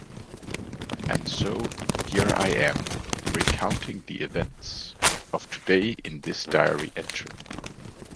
And so, here I am, recounting the events of today in this diary entry.